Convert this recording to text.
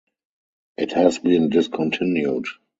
It has been discontinued.